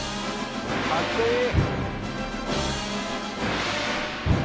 かっこいい。